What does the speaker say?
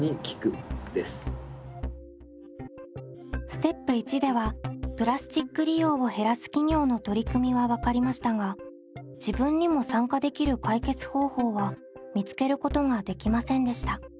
ステップ①ではプラスチック利用を減らす企業の取り組みは分かりましたが自分にも参加できる解決方法は見つけることができませんでした。